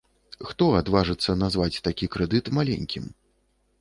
Хто адважыцца назваць такі крэдыт маленькім?